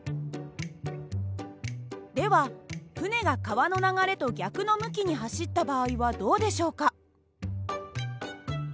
では船が川の流れと逆の向きに走った場合はどうでしょうか？